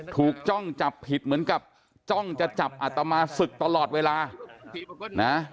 จ้องจับผิดเหมือนกับจ้องจะจับอัตมาศึกตลอดเวลานะ